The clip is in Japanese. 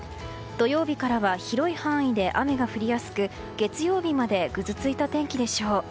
土曜日からは広い範囲で雨が降りやすく月曜日までぐずついた天気でしょう。